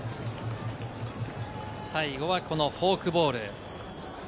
最後はフォークボール。